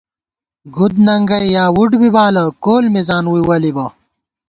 گُدننگئ یا وُٹ بی بالہ، کول مِزان ووئی وَلِبہ